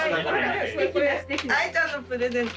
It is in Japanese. アイちゃんのプレゼント。